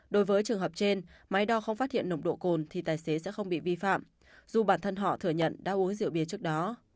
đối với trường hợp trên máy đo không phát hiện nồng độ cồn thì tài xế sẽ không bị vi phạm dù bản thân họ thừa nhận đã uống rượu bia trước đó